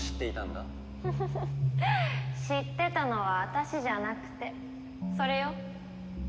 フフフ知ってたのは私じゃなくてそれよ。